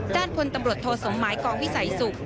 ด้านพลตำรวจโทสมหมายกองวิสัยศุกร์